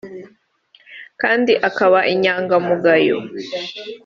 kandi akaba inyangamugayo